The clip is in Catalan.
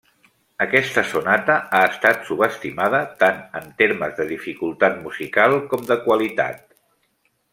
Aquesta sonata ha estat subestimada, tant en termes de dificultat musical com de qualitat.